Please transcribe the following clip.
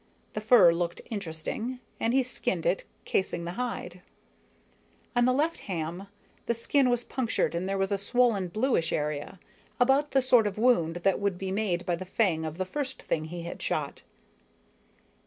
The fur looked interesting, and he skinned it out, casing the hide. On the left ham, the skin was punctured and there was a swollen, bluish area about the sort of wound that would be made by the fang of the first thing he had shot.